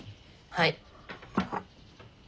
はい。